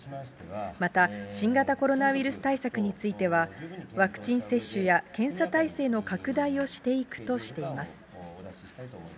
また、新型コロナウイルス対策については、ワクチン接種や検査体制の拡大をしていくとしています。